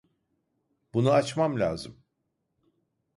Bunu açmam lazım.